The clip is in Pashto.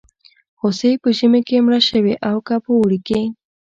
هوسۍ په ژمي کې مړه شوې او که په اوړي کې.